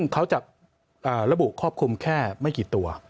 เขาจะระบุครอบคลุมแค่ไม่กี่ตัว